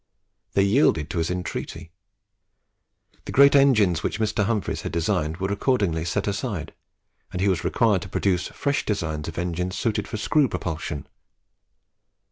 They yielded to his entreaty. The great engines which Mr. Humphries had designed were accordingly set aside; and he was required to produce fresh designs of engines suited for screw propulsion.